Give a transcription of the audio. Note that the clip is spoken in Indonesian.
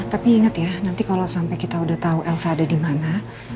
tapi inget ya nanti kalau sampai kita udah tau elsa ada dimana